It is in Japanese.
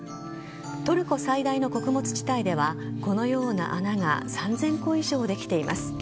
トルコ最大の穀物地帯ではこのような穴が３０００個以上できています。